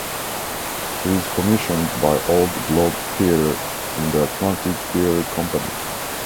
She is commissioned by Old Globe Theatre and the Atlantic Theater Company.